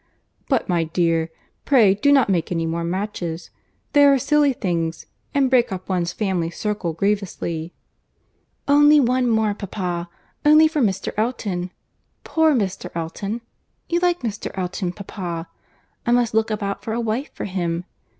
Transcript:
"But, my dear, pray do not make any more matches; they are silly things, and break up one's family circle grievously." "Only one more, papa; only for Mr. Elton. Poor Mr. Elton! You like Mr. Elton, papa,—I must look about for a wife for him.